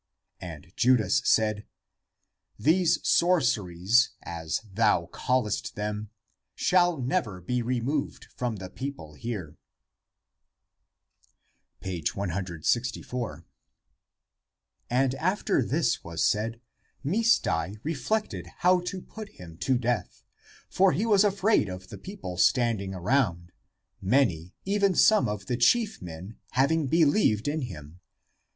And Judas said, " These sorceries, as thou callest them, shall never be removed from the people here." 164. And after this was said, Misdai reflected how to put him to death. For he was afraid of the people standing around, many, even some of the chief men, having believed in him.